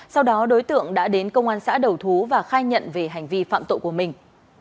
sau đó đối tượng đã đến công an xã đầu thú và khai nhận về hành vi phạm tội của mình